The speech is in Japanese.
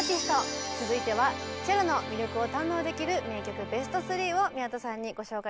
続いてはチェロの魅力を堪能できる名曲ベスト３を宮田さんにご紹介頂きます！